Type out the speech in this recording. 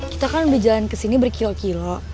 kita kan udah jalan kesini berkilo kilo